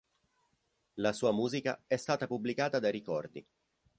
La sua musica è stata pubblicata da Ricordi.